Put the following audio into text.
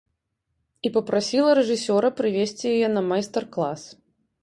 І папрасіла рэжысёра прывесці яе на майстар-клас.